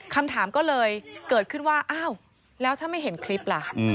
คำถามก็เลยเกิดขึ้นว่าอ้าวแล้วถ้าไม่เห็นคลิปล่ะ